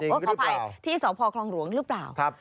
ขออภัยที่สพคลองหลวงหรือเปล่า